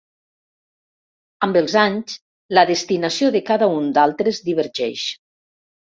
Amb els anys, la destinació de cada un d'altres divergeix.